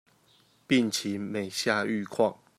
病情每下愈況